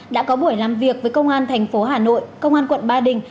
đã có buổi làm việc với công an tp hà nội công an quận ba đình